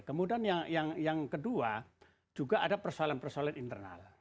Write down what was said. kemudian yang kedua juga ada persoalan persoalan internal